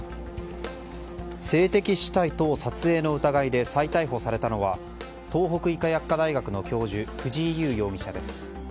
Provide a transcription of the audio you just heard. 性的姿態等盗撮の疑いで再逮捕されたのは東北医科薬科大学の教授藤井優容疑者です。